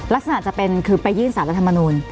ลักษณะจะเป็นคือไปยื่นสารรัฐมนูล